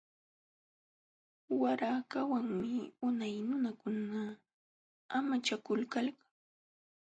Warakawanmi unay nunakuna amachakulkalqa.